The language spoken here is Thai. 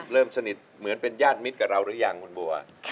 เริ่มสนิทเหมือนเป็นญาติมิตรกับเราหรือยังคุณบัว